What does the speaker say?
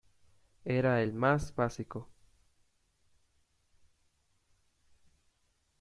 Era el más básico.